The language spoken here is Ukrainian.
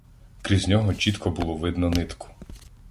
Крізь нього чітко видно нитку.